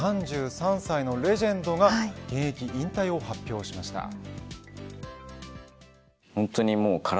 ３３歳のレジェンドが現役引退を発表しました。